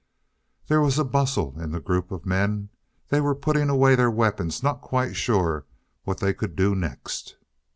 There was a bustle in the group of men. They were putting away the weapons, not quite sure what they could do next.